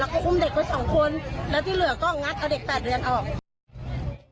และก็ภูมิเด็กกับ๒คนที่เหลือก็งัดเอาเด็ก๘ออก